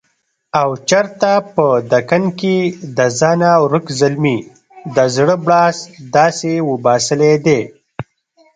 او چرته په دکن کښې دځانه ورک زلمي دزړه بړاس داسې وباسلے دے